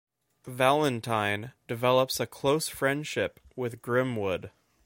Valentine develops a close friendship with Grimwood.